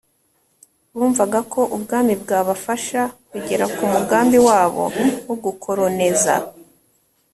bumvaga ko ubwami bwabafasha kugera ku mugambi wabo wo gukorooneza